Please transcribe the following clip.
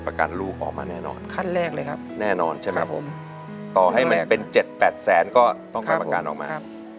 ประกันลูกออกมาแน่นอนขั้นแรกเลยครับแน่นอนใช่ไหมครับผมต่อให้มันเป็น๗๘แสนก็ต้องทำประกันออกมา